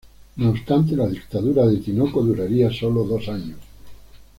No obstante, la dictadura de Tinoco duraría solo dos años.